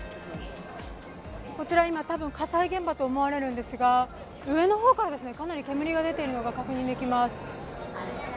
こちら今、たぶん火災現場と思われるんですが上の方からかなり煙が出ているのが確認できます。